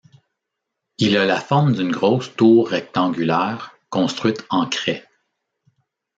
Il a la forme d'une grosse tour rectangulaire construite en craie.